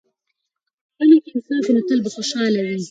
که په ټولنه کې انصاف وي، نو تل به خوشحاله وي.